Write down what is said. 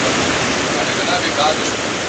باسواده مور کورنۍ ته د اعتماد درس ورکوي.